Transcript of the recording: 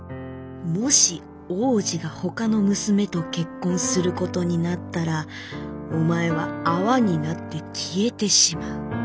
もし王子がほかの娘と結婚することになったらお前は泡になって消えてしまう。